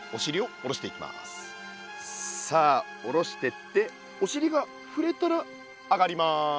さあ下ろしてっておしりが触れたら上がります。